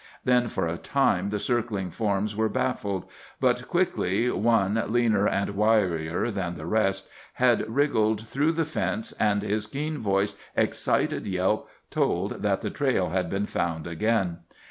Then for a time the circling forms were baffled. But quickly one, leaner and wirier than the rest, had wriggled through the fence, and his keen voiced, excited yelp told that the trail had been found again.